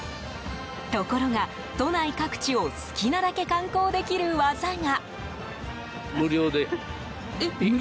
ところが、都内各地を好きなだけ観光できる技が。